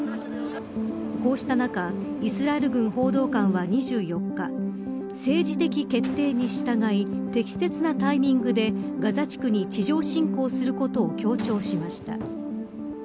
こうした中イスラエル軍報道官は２４日政治的決定に従い適切なタイミングでガザ地区に地上侵攻することを強調しました。